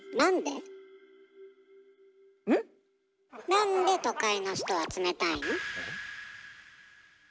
なんで都会の人は冷たいの？え？